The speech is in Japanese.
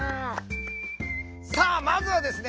さあまずはですね